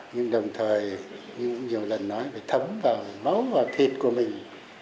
nhưng đồng thời như cũng nhiều lần nói phải thấm vào máu vào thịt của mình